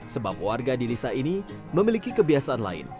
sebab warga di desa ini memiliki kebiasaan lain